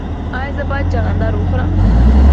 ایا زه باید چغندر وخورم؟